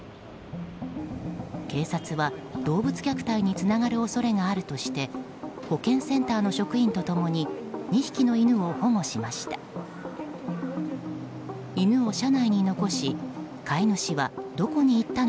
警察は動物虐待につながる恐れがあるとして保健センターの職員と共に２匹の犬を保護しました。